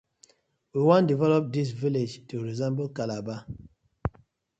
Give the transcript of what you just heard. We wan develop dis una villag to resemble Calabar.